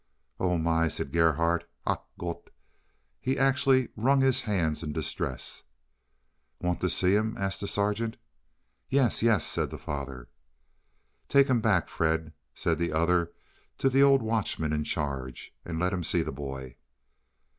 "Oh, my!" said Gerhardt, "Ach Gott!" He actually wrung his hands in distress. "Want to see him?" asked the Sergeant. "Yes, yes," said the father. "Take him back, Fred," said the other to the old watchman in charge, "and let him see the boy."